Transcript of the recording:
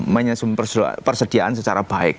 menyusun persediaan secara baik